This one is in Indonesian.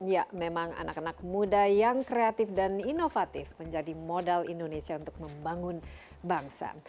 ya memang anak anak muda yang kreatif dan inovatif menjadi modal indonesia untuk membangun bangsa